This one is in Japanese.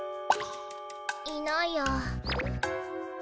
いないや。